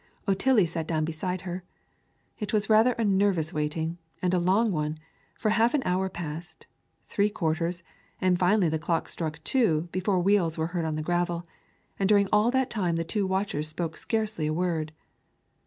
Otillie sat down beside her. It was rather a nervous waiting, and a long one; for half an hour passed, three quarters, and finally the clock struck two, before wheels were heard on the gravel, and during all that time the two watchers spoke scarcely a word.